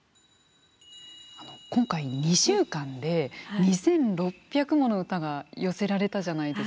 今回２週間で２，６００もの歌が寄せられたじゃないですか。